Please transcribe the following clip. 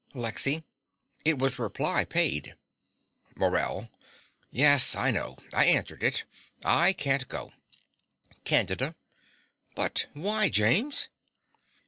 LEXY. It was reply paid. MORELL. Yes, I know. I answered it. I can't go. CANDIDA. But why, James?